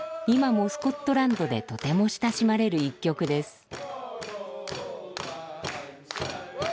今もスコットランドでとても親しまれる一曲です。